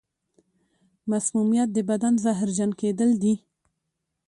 مسمومیت د بدن زهرجن کېدل دي.